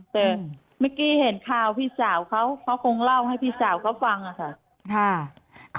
แต่เมื่อกี้เห็นข่าวพี่สาวเขาเขาคงเล่าให้พี่สาวเขาฟังค่ะ